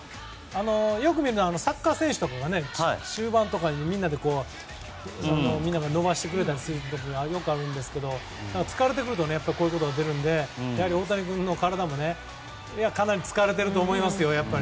よく見るのはサッカー選手とかが終盤にみんなで伸ばしてくれる時がよくあるんですけど疲れてくるとこういうことが出てくるのでやはり、大谷君の体もかなり疲れていると思いますよ。